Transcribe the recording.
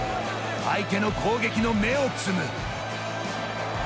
相手の攻撃の芽を摘む。